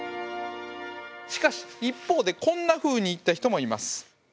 しかし一方でこんなふうに言った人もいます。